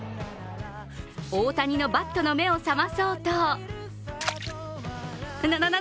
大谷のバットの目を覚まそうとななな